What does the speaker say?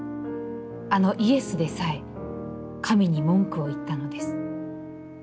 あのイエスでさえ、神に文句を言ったのです。